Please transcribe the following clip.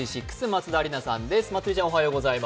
松田里奈さんです。